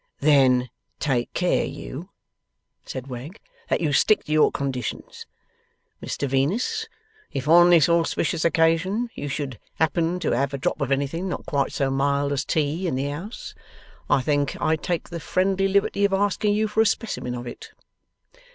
'Then, take care, you,' said Wegg, 'that you stick to your conditions. Mr Venus, if on this auspicious occasion, you should happen to have a drop of anything not quite so mild as tea in the 'ouse, I think I'd take the friendly liberty of asking you for a specimen of it.